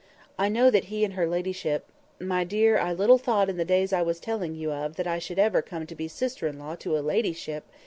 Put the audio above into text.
I know that he and her ladyship (my dear, I little thought in the days I was telling you of that I should ever come to be sister in law to a ladyship!)